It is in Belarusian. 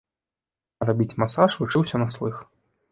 А рабіць масаж вучыўся на слых.